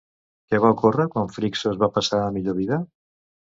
Què va ocórrer quan Frixos va passar a millor vida?